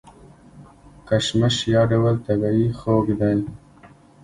کشمش یو ډول طبیعي خوږ دی.